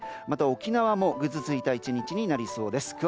また沖縄もぐずついた１日になりそうです。